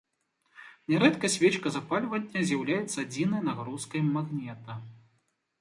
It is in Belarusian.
Нярэдка свечка запальвання з'яўляецца адзінай нагрузкай магнета.